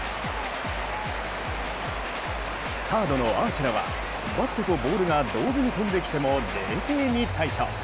サードのアーシェラはバットとボールが同時に飛んできても冷静に対処。